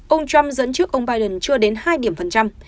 ông trump dẫn trước ông biden chưa đến hai điểm phần trăm